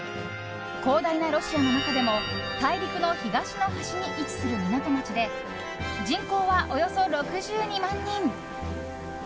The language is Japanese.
広大なロシアの中でも大陸の東の端に位置する港町で人口は、およそ６２万人。